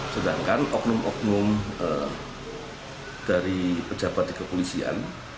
sedangkan oknum oknum dari pejabat di kepolisian